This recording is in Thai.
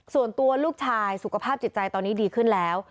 ส่วนตัวลูกชายสุขภาพจิตใจตอนนี้ดีขึ้นแล้ว